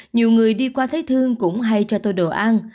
nhiều người đi qua thấy thương cũng hay cho tôi đồ ăn